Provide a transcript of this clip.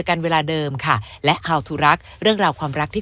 กันเวลาเดิมค่ะและฮาวทูรักษ์เรื่องราวความรักที่